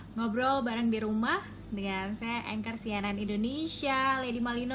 ngobrol bareng di rumah dengan saya anchor cnn indonesia lady malino